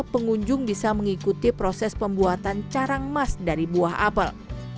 pengunjung bisa mengikuti proses pembuatan carang emas dari buah apel